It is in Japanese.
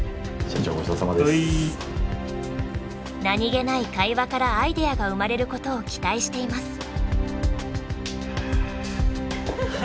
何気ない会話からアイデアが生まれることを期待しています。